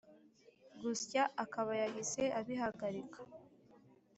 gusya akabayahise abihagarika